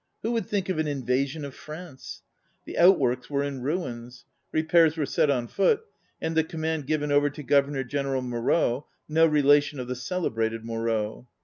Who would think of an invasion of France! The out works were in ruins. Repairs were set on foot, and the command given over to Governor CJeneral Moreau, ŌĆö no relation of the celebrated Moreau.